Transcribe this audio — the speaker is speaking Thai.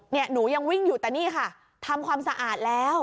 หนูยังวิ่งอยู่แต่นี่ค่ะทำความสะอาดแล้ว